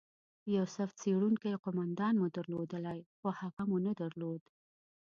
یو صف څیرونکی قومندان مو درلودلای، خو هغه مو نه درلود.